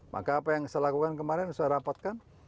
maka apa yang saya lakukan kemarin saya rapatkan